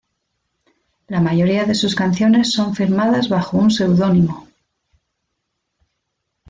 La mayoría de sus canciones son firmadas bajo un seudónimo.